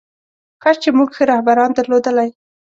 کاش چې موږ ښه رهبران درلودلی.